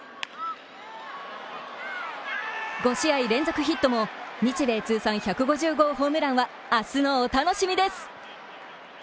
５試合連続ヒットも日米通算１５０号ホームランは明日のお楽しみです！